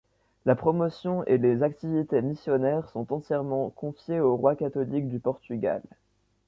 La promotion et les activités missionnaires sont entièrement confiées aux rois catholiques du Portugal.